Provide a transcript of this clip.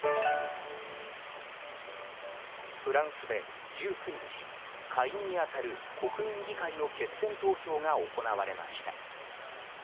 フランスで１９日下院に当たる国民議会の決選投票が行われました。